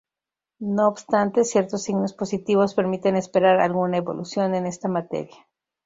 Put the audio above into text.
No obstante, ciertos signos positivos permiten esperar alguna evolución en esta materia.